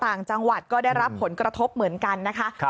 ต่างจังหวัดก็ได้รับผลกระทบเหมือนกันนะคะ